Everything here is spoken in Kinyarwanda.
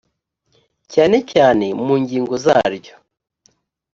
cyane cyane mu ngingo zaryo